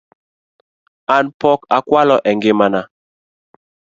An pok akwalo e ngima na